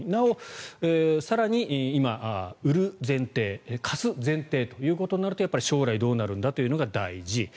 更に今、売る前提貸す前提ということになると将来どうなるんだというのが大事。